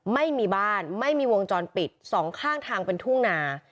ไม่มีบ้านไม่มีวงจรปิดสองข้างทางเป็นทุ่งนา